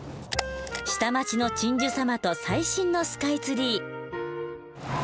下町の鎮守様と最新のスカイツリー。